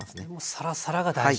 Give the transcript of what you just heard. サラサラが大事。